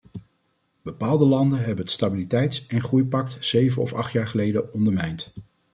Bepaalde landen hebben het stabiliteits- en groeipact zeven of acht jaar geleden ondermijnd.